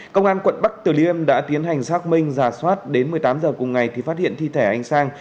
công an quận bắc từ liêm đã tiến hành xác minh giả soát đến một mươi tám h cùng ngày thì phát hiện thi thể anh sang